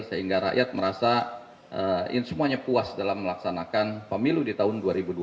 sehingga rakyat merasa semuanya puas dalam melaksanakan pemilu di tahun dua ribu dua puluh